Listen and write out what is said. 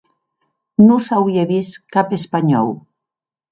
Non s'auie vist cap espanhòu.